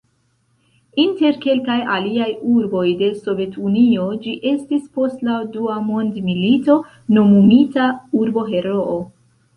Inter kelkaj aliaj urboj de Sovet-Unio ĝi estis post la Dua mondmilito nomumita "Urbo-Heroo".